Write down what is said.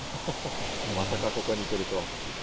まさかここに来るとは。